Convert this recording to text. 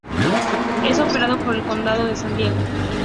Es operado por el condado de San Diego.